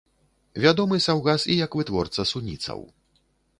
Вядомы саўгас і як вытворца суніцаў.